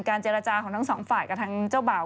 เจรจาของทั้งสองฝ่ายกับทางเจ้าบ่าว